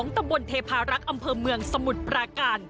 ตำบลเทพารักษ์อำเภอเมืองสมุทรปราการ